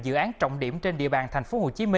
dự án trọng điểm trên địa bàn tp hcm